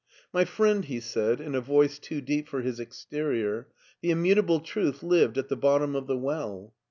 " My friend," he said, in a voice too deep for his ex r terior, " the immutable truth lived at the bottom of the well."